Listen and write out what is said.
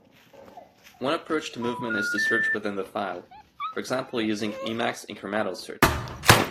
One approach to movement is to search within the file, for example using Emacs incremental search.